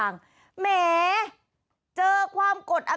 ค่ะคือเมื่อวานี้ค่ะ